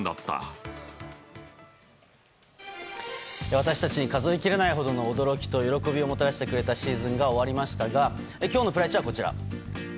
私たちに数えきれないほどの驚きと喜びをもたらしてくれたシーズンが終わりましたが今日のプライチはこちら。